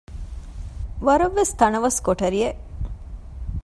ވަރަށްވެސް ތަނަވަސް ކޮޓަރިއެއް